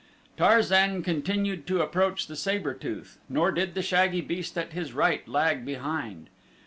Tarzan continued to approach the saber tooth, nor did the shaggy beast at his right lag behind.